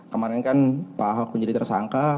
kemarin kan pak ahok menjadi tersangka